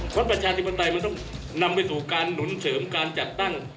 เพราะประชาธิปไตยมันต้องนำไปสู่การหนุนเสริมการจัดตั้ง